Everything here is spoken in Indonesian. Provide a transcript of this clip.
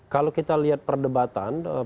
kalau kita lihat perdebatan